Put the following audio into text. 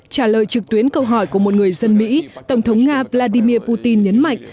trả lời trực tuyến câu hỏi của một người dân mỹ tổng thống nga vladimir putin nhấn mạnh